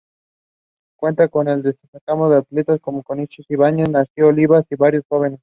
Cuentan con destacados atletas como Conchita Ibáñez, Narciso Oliva y varios jóvenes.